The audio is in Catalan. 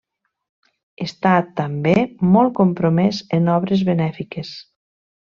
Està també molt compromès en obres benèfiques.